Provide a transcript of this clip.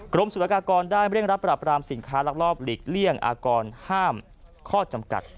สุรกากรได้เร่งรับปรับรามสินค้าลักลอบหลีกเลี่ยงอากรห้ามข้อจำกัด